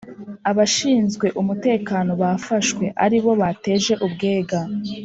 Abashinzwe umutekano bafashwe aribo bateje ubwega